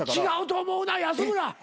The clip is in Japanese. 違うと思うな。